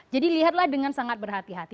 jadi lihatlah dengan sangat berhati hati